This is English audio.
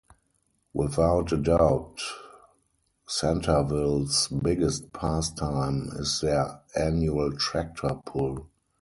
Without a doubt Centreville's biggest past time is their annual tractor pull.